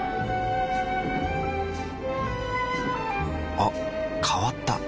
あ変わった。